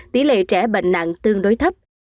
tỷ lệ trẻ bệnh nặng tương đối thấp